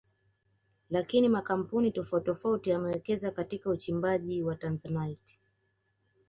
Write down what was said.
Lakini makampuni tofauti tofauti yamewekeza katika uchimbaji wa Tanzanite